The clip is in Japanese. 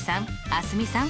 蒼澄さん。